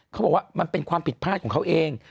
เขาบอกว่ามันเป็นความผิดพลาดของเขาเอง